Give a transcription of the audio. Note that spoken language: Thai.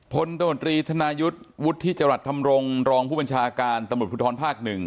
ตมตรีธนายุทธ์วุฒิจรัสธรรมรงค์รองผู้บัญชาการตำรวจภูทรภาค๑